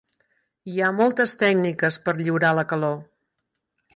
Hi ha moltes tècniques per lliurar la calor.